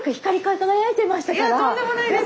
いやとんでもないです。